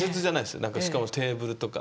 なんかしかもテーブルとか。